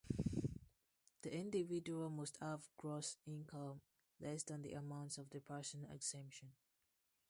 The individual must have gross income less than the amount of the personal exemption.